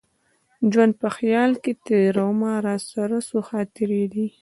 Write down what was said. ژوند په خیال کي تېرومه راسره څو خاطرې دي